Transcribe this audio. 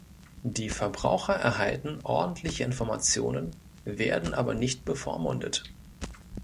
Die Verbraucher erhalten ordentliche Informationen, werden aber nicht bevormundet.